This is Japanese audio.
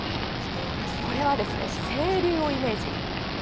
これは清流をイメージ。